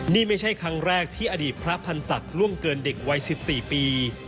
นี่ไม่ใช่ครั้งแรกที่อดีตพระพันธ์ศักดิ์ล่วงเกินเด็กวัย๑๔ปี